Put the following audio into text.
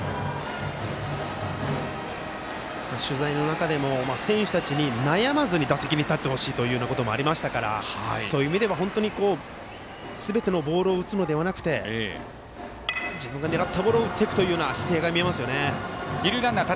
取材の中でも選手たちに悩まずに打席に立ってほしいということもありましたからそういう意味でも本当にすべてのボールを打つのではなくて自分が狙ったボールを打っていく姿勢が見えますね。